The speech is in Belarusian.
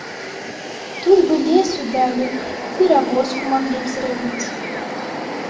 Тут бы лесу далі б, перавозку маглі б зрабіць.